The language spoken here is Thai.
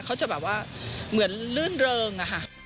เขาจะเหมือนเลื่อนเริง